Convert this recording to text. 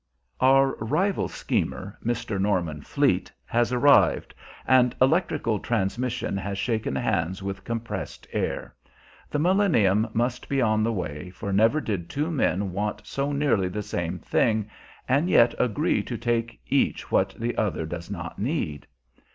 Our rival schemer, Mr. Norman Fleet, has arrived, and electrical transmission has shaken hands with compressed air. The millennium must be on the way, for never did two men want so nearly the same thing, and yet agree to take each what the other does not need.